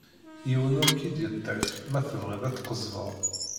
Yiwen ur k-id-yeṭṭif ma tebɣiḍ ad tqezzbeḍ.